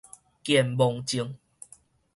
健忘症